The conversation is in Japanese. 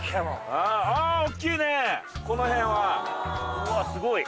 うわすごい。